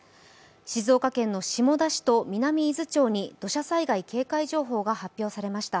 静岡県の下田市と南伊豆町に土砂災害警戒情報が発表されました。